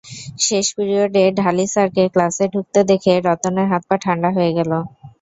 শেষ পিরিয়ডে ঢালি স্যারকে ক্লাসে ঢুকতে দেখে রতনের হাত-পা ঠান্ডা হয়ে গেল।